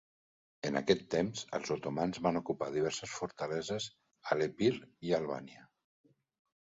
En aquest temps els otomans van ocupar diverses fortaleses a l'Epir i Albània.